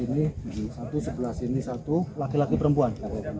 di sebelah sini satu laki laki perempuan